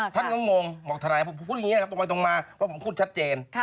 ท่านงงบอกว่าทำไมก็พูดแบบนี้พอคนผมคุ้นชัดเจน